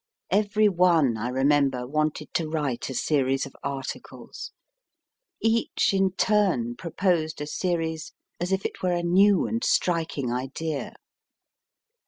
Every one, I remember, wanted to write a series of articles. Each in turn proposed a series as if it was a new and striking idea.